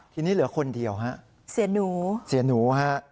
ทีนี้เหลือคนเดียวฮะเสียหนู